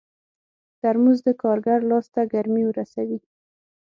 ترموز د کارګر لاس ته ګرمي رسوي.